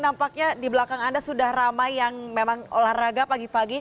nampaknya di belakang anda sudah ramai yang memang olahraga pagi pagi